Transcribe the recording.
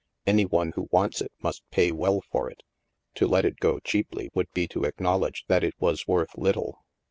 Any one who wants it must pay well for it. To let it go cheaply would be to acknowl edge that it was worth little.